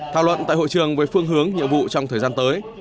thảo luận tại hội trường về phương hướng nhiệm vụ trong thời gian tới